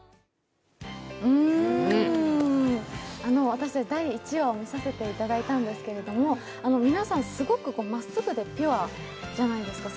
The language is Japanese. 私たち第１話を見させていただいたんですけれども、皆さん、すごくまっすぐでピュアじゃないですか。